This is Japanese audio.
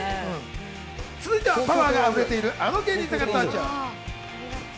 続いてはパワーが溢れている、あの芸人さんが登場。